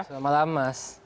selamat malam mas